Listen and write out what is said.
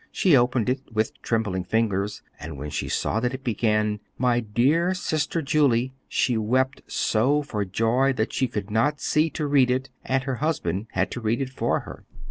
She opened it, with trembling fingers, and when she saw that it began, "My dear Sister Julie," she wept so for joy that she could not see to read it, and her husband had to read it for her.